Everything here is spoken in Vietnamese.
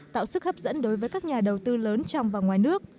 tạo sức hấp dẫn đối với các nhà đầu tư lớn trong và ngoài nước